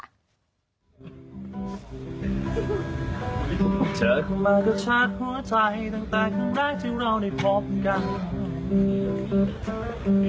เจอขึ้นมาก็ชัดหัวใจตั้งแต่ครั้งแรกที่เราได้พบกัน